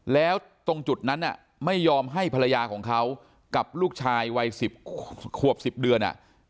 แล้วตรงจุดนั้นไม่ยอมให้ภรรยาของเขากับลูกชายวัย๑๐ขวบ๑๐เดือน